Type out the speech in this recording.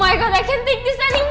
ya udah beneran ya om